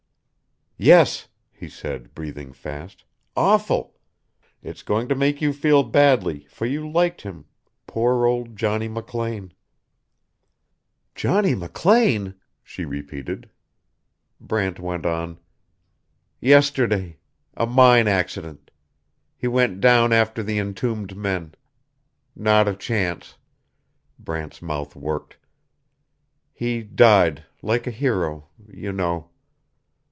"Yes," he said, breathing fast. "Awful. It's going to make you feel badly, for you liked him poor old Johnny McLean." "Johnny McLean?" she repeated. Brant went on. "Yesterday a mine accident. He went down after the entombed men. Not a chance." Brant's mouth worked. "He died like a hero you know."